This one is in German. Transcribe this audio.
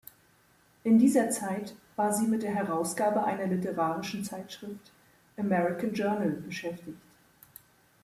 In dieser Zeit war sie mit der Herausgabe einer literarischen Zeitschrift "American Journal" beschäftigt.